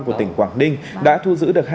của tỉnh quảng ninh đã thu giữ được